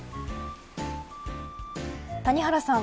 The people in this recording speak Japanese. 谷原さん